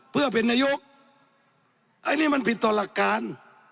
เพื่อเป็นนายกอันนี้มันผิดต่อหลักการ